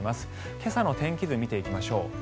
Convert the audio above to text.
今朝の天気図見ていきましょう。